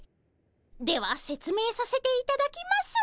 ではせつめいさせていただきます。